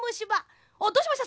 あっどうしました？